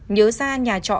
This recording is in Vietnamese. nhớ ra nhà trọ đang thuê cỏ